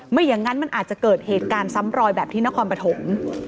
ไม่อย่างนั้นมันอาจจะเกิดเหตุการณ์ซ้ำรอยแบบที่นครปฐม